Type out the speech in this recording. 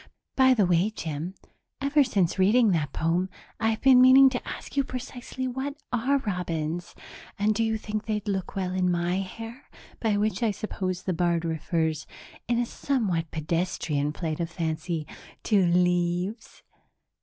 By the way, Jim, ever since reading that poem, I've been meaning to ask you precisely what are robins and do you think they'd look well in my hair, by which, I suppose the bard refers, in a somewhat pedestrian flight of fancy, to leaves?"